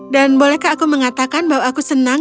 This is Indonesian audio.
dan bolehkah aku mengatakan bahwa aku senang